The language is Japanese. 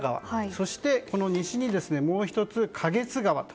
そして西にもう１つ花月川と。